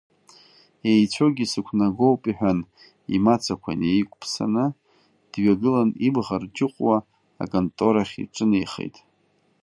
Еицәоугьы сықәнагоуп, — иҳәан имацақәа неиқәԥсаны дҩагылан, ибӷа рџьыҟәуа аконторахь иҿынеихеит.